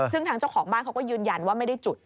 ซึ่งทางเจ้าของบ้านเขาก็ยืนยันว่าไม่ได้จุด